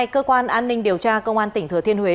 cơ quan an ninh điều tra công an tỉnh thừa thiên huế